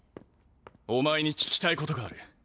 お前に聞きたいことがある。